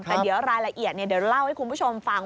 แต่เดี๋ยวรายละเอียดเดี๋ยวเล่าให้คุณผู้ชมฟัง